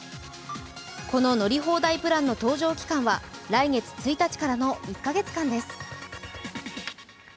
この乗り放題プランの搭乗期間は来月１日からの１カ月間です。